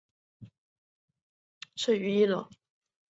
沙田广场商场设于一楼。